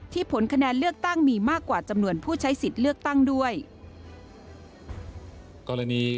ผลคะแนนเลือกตั้งมีมากกว่าจำนวนผู้ใช้สิทธิ์เลือกตั้งด้วย